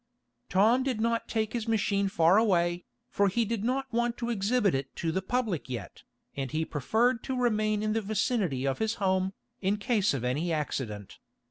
Tom did not take his machine far away, for he did not want to exhibit it to the public yet, and he preferred to remain in the vicinity of his home, in case of any accident.